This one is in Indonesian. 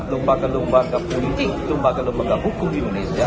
lembaga lembaga politik lembaga lembaga hukum di indonesia